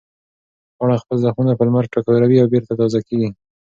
پاڼه خپل زخمونه په لمر ټکوروي او بېرته تازه کېږي.